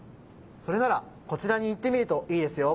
それならこちらに行ってみるといいですよ。